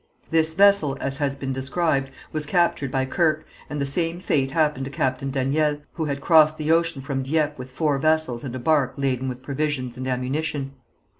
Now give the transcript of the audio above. This vessel, as has been described, was captured by Kirke, and the same fate happened to Captain Daniel, who had crossed the ocean from Dieppe with four vessels and a barque laden with provisions and ammunition.